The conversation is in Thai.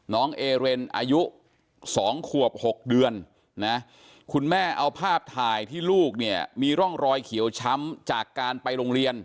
น้องเอเรนอายุ๒ขวบ๖เดือนนะคุณแม่เอาภาพถ่ายที่ลูกเนี่ยมีร่องรอยเขียวช้ำจากการไปโรงเรียน